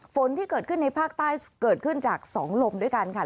ฝนที่เกิดขึ้นในภาคใต้เกิดขึ้นจาก๒ลมด้วยกันค่ะ